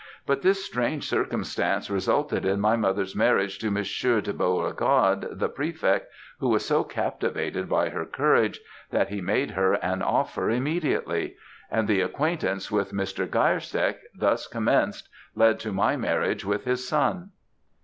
But this strange circumstance resulted in my mother's marriage to Monsieur de Beaugarde the Prefect, who was so captivated by her courage, that he made her an offer immediately; and the acquaintance with Mr. Geierstecke, thus commenced, led to my marriage with his son."